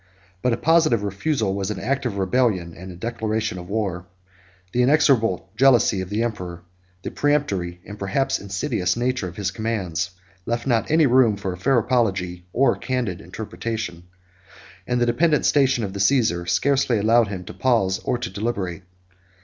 But a positive refusal was an act of rebellion, and a declaration of war. The inexorable jealousy of the emperor, the peremptory, and perhaps insidious, nature of his commands, left not any room for a fair apology, or candid interpretation; and the dependent station of the Cæsar scarcely allowed him to pause or to deliberate.